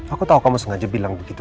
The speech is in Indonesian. aku tahu kamu sengaja bilang begitu